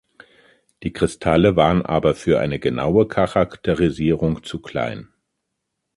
Die Kristalle waren aber für eine genaue Charakterisierung zu klein.